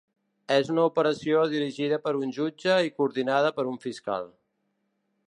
És una operació dirigida per un jutge i coordinada per un fiscal.